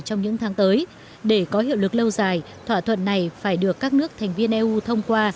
trong những tháng tới để có hiệu lực lâu dài thỏa thuận này phải được các nước thành viên eu thông qua